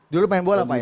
dulu pemain bola pak ya